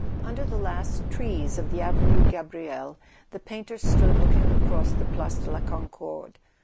Under the last trees of the Avenue Gabriel the painter stood looking across the Place de la Concorde.